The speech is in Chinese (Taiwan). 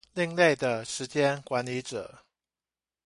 另類的時間管理者